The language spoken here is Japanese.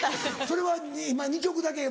それは今２曲だけ？